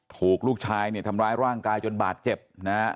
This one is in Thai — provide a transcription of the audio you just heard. ถูกลูกชายเนี่ยทำร้ายร่างกายจนบาดเจ็บนะฮะ